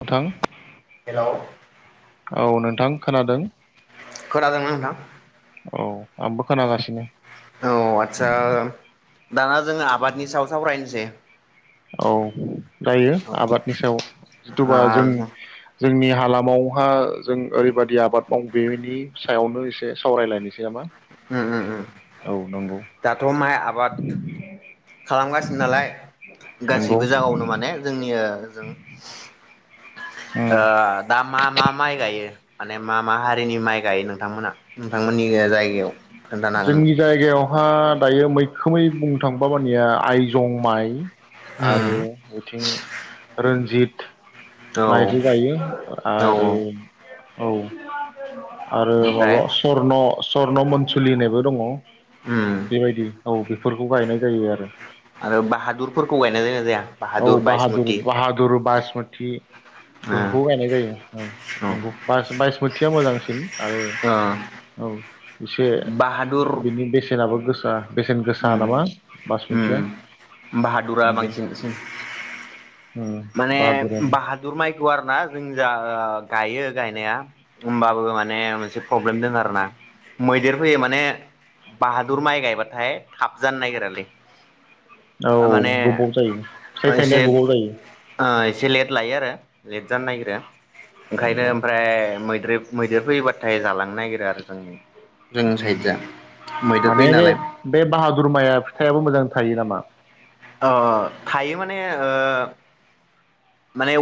नोंथां हेलौ औ नोंथां खोनादों खोनादोंना नोंथां औ आंबो खोनागासिनो औ आदसा दाना जोङो आबादनि सायाव सावरायनोसै औ दायो उम आबादनि सायाव जिथुबा जों जोंनि हालामावहा जों ओरैबायदि आबाद मावो बेनि सायावनो एसे सावरायलायनोसै नामा? उम उम औ नंगौ दाथ' माइ आबाद खालामगासिनो नालाय नंगौ गासैबो जायगायावनो माने जोंनि ओ जों उम ओ दा मा मा माइ गायो माने मा मा हारिनि माइ गायो नोंथांमोना? नोंथांमोननि जायगायाव खोन्थानो हागोन नामा? हा दायो मैखोमै बुंनो थांबा मानेया आइजं माइ आरो बेथिं रनजित औ माइदि गायो औ आरो औ आरो ओमफ्राय माबा न स्वर्न मोनसुलि होननायबो दङ उम बेबायदि औ बेफोरखौ गायनाय जायो आरो आरो बाहादुरफोरखौ गायनाय जायोना जाया बाहादुर बायसमुति मुथि ओ बेखौबो गायनाय जायो ओं नंगौ औ बास बायस मुथ थिया मोजांसिन आरो ओ औ एसे बाहादुर बिनि बेसेनाबो गोस दा उम उम बाहादुरा नंगौ बांसिन सिन उम माने बाहादुराबो बाहादुर माइखौ आरो ना जों जा ओ गायो गायनाया होमबाबो माने मोनसे प्रब्लेम दों आरोना मैदेर फैयो माने बाहादुर माइ गायबाथाय थाब जानो नागिरालै औ माने गोबाव जायो फिथाइ थायनाया गोबाव जायो आ एसे लेट लायो आरो लेट जानो नागिरो ओंखायनो नंगौ ओमफ्राय मैद्रोब मैदेर फैयोबाथाय जालां उम मैदेर माने फैयो बे नालाय बे बाहादुर माया फिथायाबो मोजां थायो नामा [inaudible] अ थायो माने ओ माने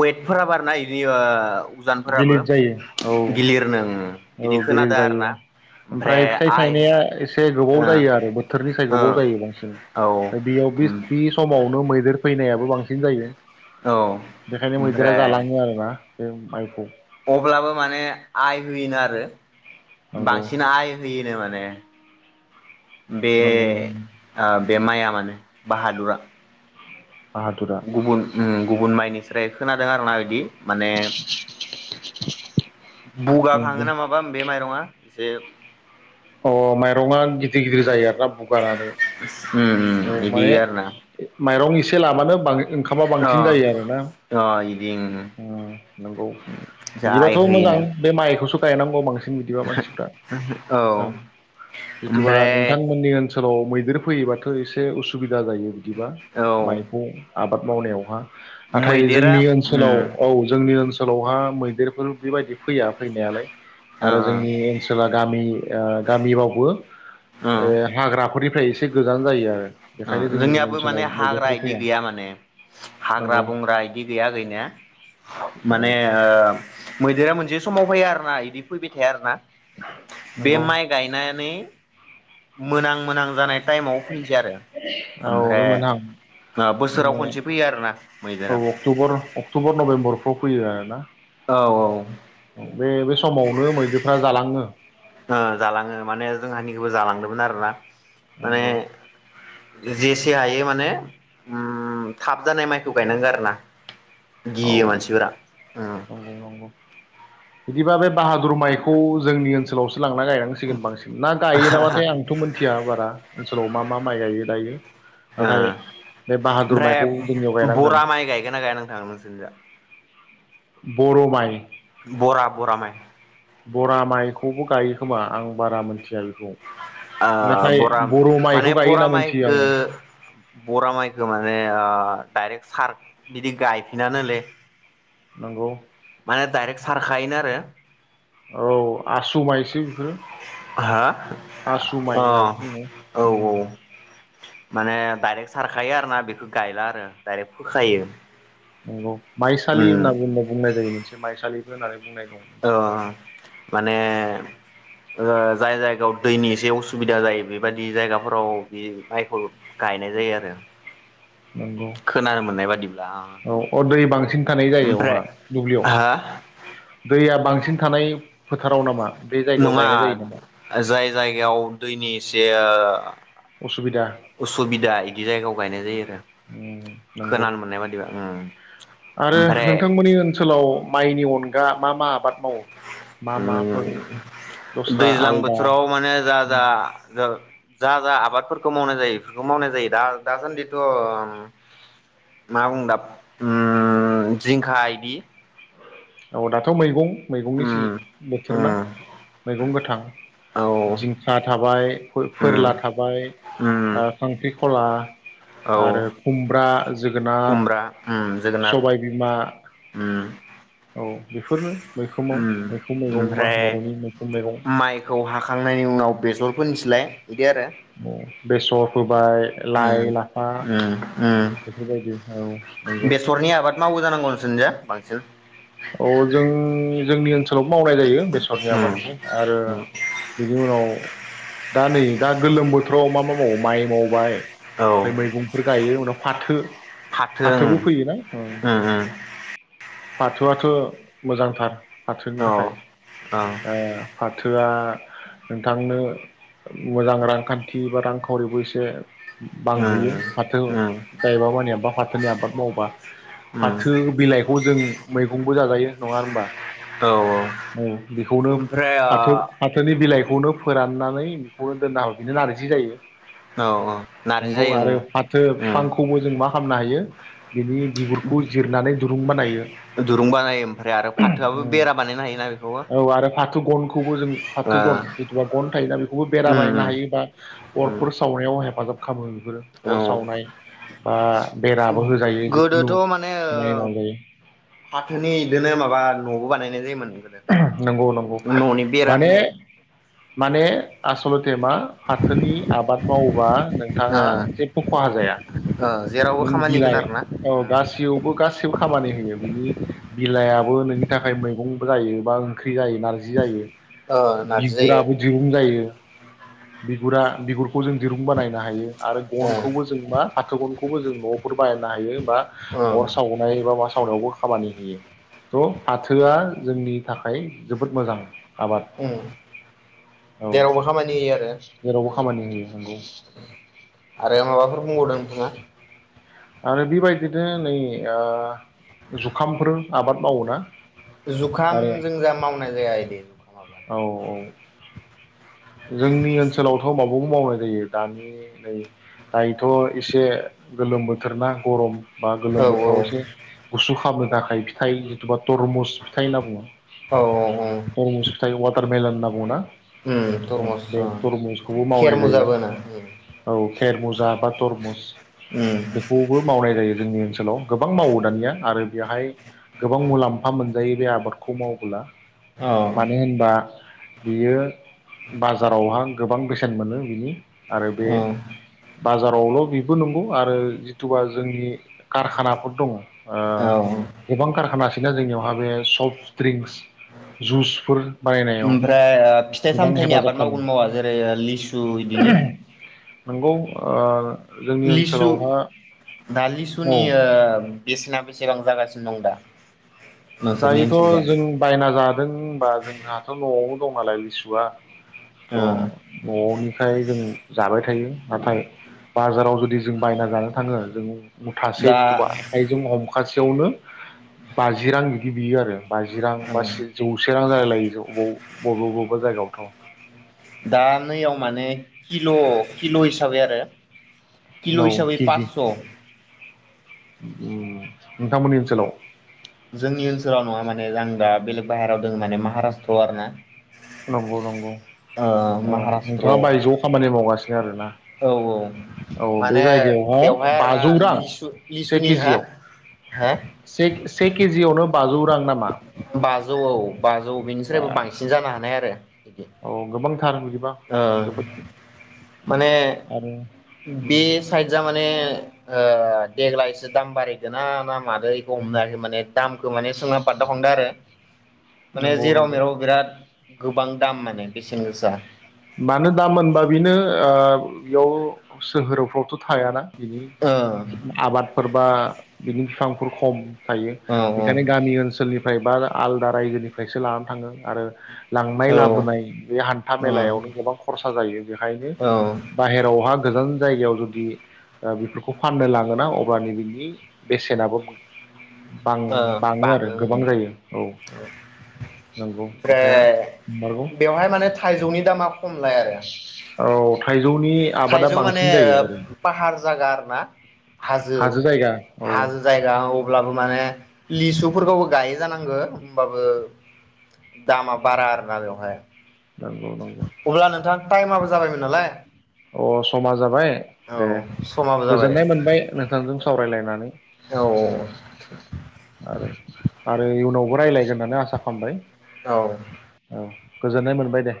वेट फोरा बारना इदि ओ उजानफोराबो गिलिर जायो औ गिलिर नोङो औ गिदिर जायो ओमफ्राय फिथाइ आइ थायनाया एसे गोबाव जायो आरो बोथोरनिसाय ओ गोबाव जायो बांसिन ओ औ ओमफाय बेयाव बे समाव आवनो मैदेर फैनायाबो बांसिन जायो औ बेखायनो मैदेरा ओमफ्राय जालाङो आरो ना बे माइखौ अब्लाबो माने आइ होयोनो आरो नंगौ बांसिन आइ होयोनो माने बे नंगौ ओ बे माइआ मानो बाहादुरा बाहादुरा गुबुन उम गुबुन माइनिस्राय खोना- दों आरोना इदि। माने बुगाखाङो ना माबा बे माइरङा जे अ माइरङा गिदिर गिदिर जायो आरोना बुगानानै उम औ उम बिदि माने आरोना माइरं इ इसे लाबानो बाङो ओंखामा बांसिन अ जायो आरोना अ इदिं उम नंगौ जाय बिदिबाथ' मोजां होयोनो बे माइखौसो गायनांगौ बांसिन थो इदिबा मानसिफ्रा औ ओं जिथुबा ओमफ्राय नोंथांमोननि ओनसो लाव मैदेर फैयोबाथ' इसे उसुबि दा जायो बिदिबा औ माइखौ आबाद मावनायावहा नाथाय मैदेरा जोंनि ओनसोलाव उम औ जोंनि ओनसो सोलावहा मैदेरफोर बेबायदि फैया फैनायालाय। ओ आरो जोंनि ओनसोला गामि ओ गामिबावबो ओ ए हाग्राफोरनि फ्राय एसे गोजान जायो आरो। ओ बेखायनो जोंनि जोंनियाबो ओनसोलाव माने हाग्रा मैदेरफोर इदि फैया गैया माने हाग्रा नंगौ बंग्रा इदि गैया गैनाया औ माने ओ मैदेरा मोनसे समाव फायो आरो ना इदि फैबाय थाया आरो ना बे नंगौ माइ गायनानै मोनां मोनां जानाय टाइमाव फैनिसै आरो औ ओमफ्राय बेमोनहां ओ बोसोराव बिनि खनसे फैयो आरोना औ मैदेरा अक्टुबर अक्टुबर नभेम्बरफ्राव फैयो आरो ना औ औ बे बे समावनो मैदेरफ्रा जालाङो ओ जालाङो माने जोंहानिखोबो जालांदोंमोन आरोना नंगौ माने जेसे हायो माने उम थाब जानाय माइखौ गायनांगो आरो ना गियो औ मानसिफोरा ओ नंगौ नंगौ बिदिबा बे बाहादुर माइखौ जोंनि ओनसोलाव लांना गायनांसिगोन बांसिन ना गायो नामाथाय आंथ' मिथिया बारा फोराव मा मा माइ गायो दायो ओ नाथाय बे बाहादुर ओमफ्राय माइखौ जोंनियाव गायनांगोन बरा माइ गायगोन ना गाया नोंथां नोंसोरनि जा बर' माइ बरा बरा माइ बरा माइखौबो गायो खोमा आं बारा मोनथिया बेखौ औ नाथाय बरा बर' माने माइखौ गायो बरा होनना मोनथियो माइखो आङो बरा माइखो माने डाइरेक्ट सार बिदि गायफिनानोलै नंगौ माने डाइरेक्ट सारखायोनो आरो औ आसु माइसि हा माइ अ होनना बुङो औ औ उम माने डाइरेक्ट सारखायो आरो ना बेखौ गायला आरो डाइरेक्ट फोखायो नंगौ माइसालि उम होनना बुंना बुंनाय जायो मोनसे माइसालि होनानै औ माने जाय जायगायाव दैनि एसे असुबिदा जायो बेबायदि जायगाफोराव बे माइखौ गायनाय जायो आरो नंगौ खोनानो मोननाय बादिब्ला औ अ दै बांसिन थानाय ओमफ्राय जायगायावहा दुब्लियाव हा दैया बांसिन बांसिन थानाय फोथाराव नामा बे जायगायाव नङा गायनाय जायो नामा जाय जायगायाव दैनि एसे असुबिदा उसुबिदा बिदि जायगायाव गायनाय जायो आरो उम नंगौ खोनानो मोननाय बादिबा ओ आरो ओमफ्राय नोंथांमोननि ओनसोलाव माइनि अनगा मा मा आबाद मावो मा माफोर दस्रा दैज्लां आलदा बोथोराव माने जा जा जा जा आबादफोरखौ मावनाय जायो बेफोरखौ मावनाय जायो दा दासान्दिथ' मा बुंदा जिंखा बिदि औ दाथ' मैगं मैगंनि उम बोथोरना उम मैगं गोथां औ जिंखा थाबाय उम फोरला थाबाय उम खांख्रि खला औ आरो खुमब्रा जोगोनार खुमब्रा उम जोगोनार सबायबिमा उम औ बेफोरनो मैखोमाव उम मैखम मैगं बा ओमफ्राय बर'नि मैखम मैगं माइखौ हाखांनायनि उनाव [unintelligible] बिदि आरो बेसरखौ ओमफ्राय लाइ उम लाफा उम उम बेफोरबायदि औ नंगौ बेसरनि आबाद मावो जानांगौ नोंसोरनिजों बांसिन औ जों जोंनि ओनसोलाव मावनाय जायो बेसरनि उम आबादखौ आरो उम बिनि उनाव दा नै दा गोलोम बोथोराव मा मा मावो माइ मावबाय औ ओमफ्राय मैगंफोर गायो उनाव फाथो फाथो उम फाथोबो फैयोना उम उम बाथौआथ' मोजांथारथ फाथोनि औ थाखाय औ ओ फाथो गो [unintelligible] जोआ [unintelligible] नोंथांनो मोजां रांखानथि बा रांखावरिबो एसे उम बांहोयो फाथो उम गायबा मानिया बा फाथोनि आबाद मावबा उम उम फाथो बिलाइखौ जों मैगंबो जाजायो नङा होमबा औ औ औ बेखौनो ओमफ्राय फाथो ओ फाथोनि बिलाइखौनो फोराननानै बेखौनो दोनना हर [unintelligible] बिनो नारजि जायो औ नारजि नंगौ जायो आरो ओं फाथो उम बिफांखौबो जों मा खालामनो हायो बिनि बिगुरखौ जिरनानै दुरुं बानायो दुरुं बानायो ओमफ्राय आरो फाथोआबो बेरा बानायनो हायोना बेखौबो औ आरो फाथो गनखौबो जों ओ फाथो गन जिथुबा गन थायोना बेखौबो बेरा उम बायनो उम हायोबा उम अरफोर सावनायाव हेफाजाब खालामो अर औ सावनाय बा बेराबो होजायो गोदोथ' जिखुनु माने खामानि मावजायो फाथोनि इदिनो माबा न'बो बानायनाय जायोमोन गोदो नंगौ नंगौ न'नि बेरा माने होनाय माने आसलते मा फाथोनि आबाद मावो बा नोंथाङा ओ जेबो खहा जाया ओ जेरावबो नों खामानि होगोन बिलाइ आरोना औ गासैयावबो गासिबो खामानि होयो बिनि बिलाइया ओ नारजि जायो बिगुराबो दिरुं जायो बिगुरा बिगुर जों दिरुं बानायनो हायो आरो ओ गनखौबो जों मा फाथो गन खौबो जों न' बायनो हायो बा ओ अर सावनाय बा मा साव सावनायावबो खामानि होयो थ' फाथोआ जोंनि थाखाय जोबोद मोजां आबाद ओम औ जेरावबो खामानि होयो आरो, जेरावबो खामानि होयो नंगौ आरो माबाफोर बुंबावदों नोंथाङा? आरो बेबायदिनो नै जुखामफोर आबाद मावोना जुखाम आरो जों जा मावनाय जाया इदि औ औ जोंनि ओनसोलावथ' माब बिदिनो मावनाय जायो दानि नै दायोथ' एसे गोलोम बोथोर ना गरम बा गोलोम औ बोथोराव औ एसे गुसु खालामनो थाखाय फिथाइ जितुबा तरमुस फिथाइ होनना बुङो औ औ तरमुस फिथाइ वाटार मेला होनना बुङोना? उम तरमुस बे औ तरमुसखौबो खेर मावनाय जायो मुजाबो होनो। औ खेरमुजा बा तरमुस उम बेखौबो मावनाय जायो। जोंनि ओनसोलाव गोबां मावो दानिया आरो बेवहाय गोबां मुलामफा मोनजायो बे आबादखौ मावबोला औ मानो होनबा बियो बाजारावहा गोबां बेसेन मोनो बिनि आरो बे औ बाजारावल' बिबो नंगौ आरो जिथुबा जोंनि कारखानाफोर दङ औ गोबां कारखाना बिना जोंनियावहा बे सफ्ट ड्रिंक्स जुसफोर बानायनायाव ओमफ्राय ओ फिथाइ गोबां सामथाइनि हेफाजाब आबाद मावगोन खालामो मावा जेरै लिसु इदिनो नोंगौ ओ जोंनि लिसु ओनसोलावहा दा लिसुनि औ ओ बेसेना बेसेबां जागा नं दा [unintelligible] नोंसोरनि दायोथ' ओनसोलजों जों बायना जादों होनबा जोंहाथ' नवाव दङालाय लिसुआ थ' ओ न'निफ्राय जों जाबाय थायो नाथाय बाजाराव जुदि जों बायना जानो थाङो जों मुथासे दा जितुबा आखाइजों हम खासेयावनो बाजि रां बिदि बियो आरो बाजि रां ओ बा जौसे रां [unintelligible] बबेबा बबेबा जायगायावथ' दा नैयाव माने किल' किल' हिसाबै आरो किल' हिसाबै पासस' उम नोंथांमोननि ओनसोलाव जोंनि ओनसोलाव नङा आं दा बेलेग बाहेरायाव दङ माने महाराष्ट्र आरो ना नंगौ - नंगौ ओ औ नोंथांङा महाराष्ट्र बाहायजो आव खामानि मावगासिनो [unintelligible] औ -औ औ माने बे जायगायावहा बेवहाय आरो ना बाजौ रां लिसु से लिसुनि हा केजियाव - हा से से केजियावनो बाजौ रां नामा? बाजौ औ बाजौ बा बेनिफ्रायबो बांसिन जानो हानाय आरो बिदि औ गोबां सार ओ [unintelligible] जोबोद माने आरो बे साइद जा माने ओ देग्लाय सो दाम बारिदोंना नामादों बेखौ हायाखै माने दामखौ माने सोंना बागदाव खांदों आरो माने नंगौ जेराव नंगौ मेराव बिराद गोबां दाम माने बेसेन गोसा मानो दाम होनबा बेनो ओ बेयाव सोहोरावफ्रावथ' थायाना? बिनि ओ आबादफोर ओ बिनि बिफांफोर खम थायो औ बेखायनो गामि ओनसोलनि फ्राय बा आलादा रायजोनिफ्रायसो लानानै थाङो आरो लांनाय औ लाबोनाय बे हान्था औ मेलायाव गोबां खरसा जायो बेखायनो औ बाहेरावहा गोजान जायगायाव जुदि ओ बेफोरखौ फाननो लांङोना अब्लानो बिनि बेसेनाबो बां ओ बांङो आरो बाङो गोबां ओं जायो औ नंगौ खोथाया ओमफ्राय नंमारगौ बिफांया खमलाय आरो औ थाइजौनि आबादा थाइजौ माने बांसिन जायो ओरै फाहार जागा आरो ना हाजो जायगा औ हाजो जायगा औ अब्लाबो माने लिसुफोरखौबो गायो जानांगौ होनबाबो दामा बारा आरोना बेवहाय नंगौ नंगौ टाइमाबबो जाबायमोन नालाय अ समा जाबाय औ दे समाबो जाबाय गोजोननाय मोनबाय नोंथांजों सावरायलायनानै औ आरो आरो इयुनावबो रायलायगोन होननानै आसा खालामबाय औ औ गोजोननाय मोनबाय दे